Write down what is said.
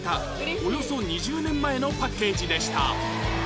およそ２０年前のパッケージでした